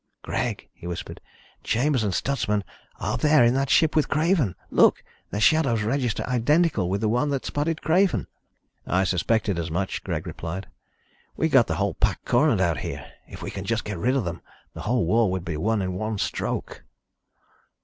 "Greg," he whispered, "Chambers and Stutsman are there in that ship with Craven! Look, their shadows register identical with the one that spotted Craven." "I suspected as much," Greg replied. "We got the whole pack cornered out here. If we can just get rid of them, the whole war would be won in one stroke."